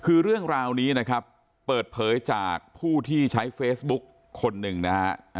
คือเรื่องราวนี้นะครับเปิดเผยจากผู้ที่ใช้เฟซบุ๊กคนหนึ่งนะฮะ